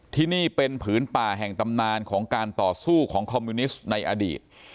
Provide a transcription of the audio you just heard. ที่นี่เป็นผืนป่าแห่งตำนานของการต่อสู้ของคอมมิวนิสต์ในอดีต